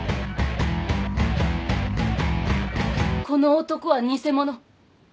この男は偽者。